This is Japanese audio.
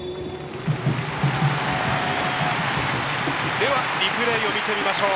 ではリプレイを見てみましょう。